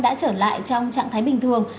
đã trở lại trong trạng thái bình thường